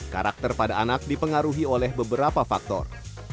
karakter pada anak dipengaruhi oleh beberapa faktor